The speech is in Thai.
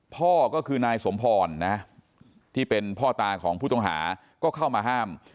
พ่อก็คือนายสมพรนะที่เป็นพ่อตาของผู้ต้องหาก็เข้ามาห้าม